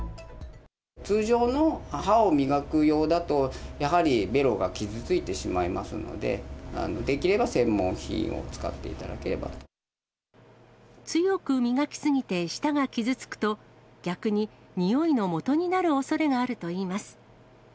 通常の歯を磨く用だと、やはりべろが傷ついてしまいますので、できれば専門品を使ってい強く磨き過ぎて舌が傷つくと、逆に臭いのもとになるおそれがあるといいます。